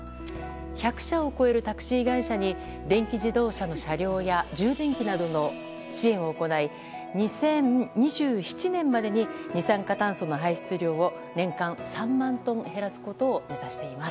１００社を超えるタクシー会社に電気自動車の車両や充電器などの支援を行い２０２７年までに二酸化炭素の排出量を年間３万トン減らすことを目指しています。